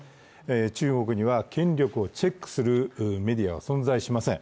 中国には権力をチェックするメディアは存在しません。